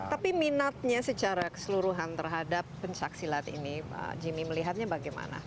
tapi minatnya secara keseluruhan terhadap pencaksilat ini pak jimmy melihatnya bagaimana